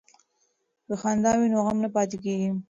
که خندا وي نو غم نه پاتې کیږي.